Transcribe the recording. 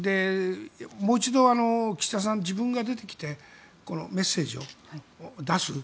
もう一度、岸田さん自分が出てきてメッセージを出す。